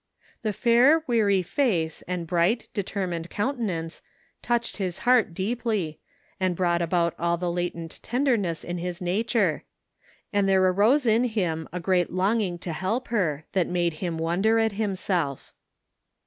The fair, weary face and bright, determined Goun 60 THE FINDING OF JASPER HOLT tenance touched his heart deeply, and brought out all the latent tenderness in his nature ; and there arose in him a great longing to help her that made him wonder at himself.